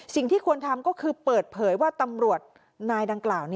สิ่งที่ควรทำก็คือเปิดเผยว่าตำรวจนายดังกล่าว